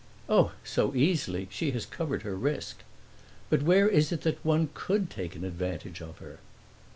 "Oh, so easily! she has covered her risk. But where is it that one could take an advantage of her?"